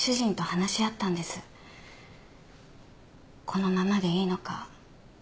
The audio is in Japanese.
このままでいいのか。